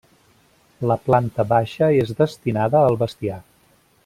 La planta baixa és destinada al bestiar.